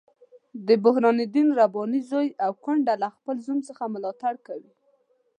د برهان الدین رباني زوی او کونډه له خپل زوم څخه ملاتړ کوي.